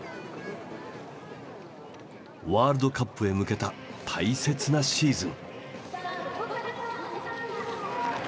ワールドカップへ向けた大切なシーズン。